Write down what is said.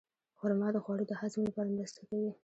خرما د خوړو د هضم لپاره مرسته کوي.